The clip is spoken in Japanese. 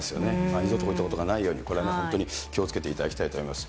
二度とこういったことが起きないように、これは本当に気をつけていただきたいと思います。